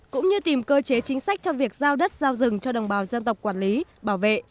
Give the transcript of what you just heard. cũng như tìm cơ chế chính sách cho việc giao đất giao rừng cho đồng bào dân tộc quản lý bảo vệ